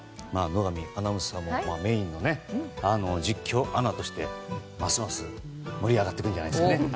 野上アナウンサーもメイン実況としてますます盛り上がってくるんじゃないですかね。